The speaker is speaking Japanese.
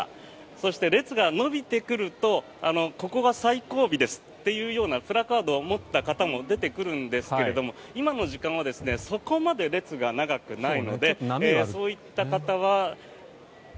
そして列が伸びてくるとここが最後尾ですというようなプラカードを持った方も出てくるんですけども今の時間はそこまで列が長くないのでそういった方は。